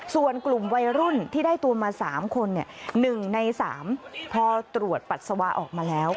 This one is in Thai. ส่วนกลุ่มวัยรุ่นที่ได้ตัวมาสามคนเนี่ยหนึ่งในสามพอตรวจปัสสาวะออกมาแล้ว